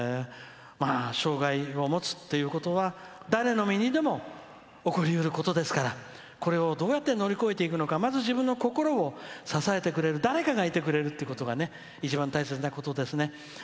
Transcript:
障害を持つっていうことは誰の身にでも起こりうることですからこれをどうやって乗り越えていくのかまず自分の心を支えてくれる誰かがいてくれることが一番大切なことですね。